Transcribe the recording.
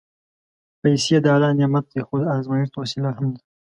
پېسې د الله نعمت دی، خو د ازمېښت وسیله هم ده.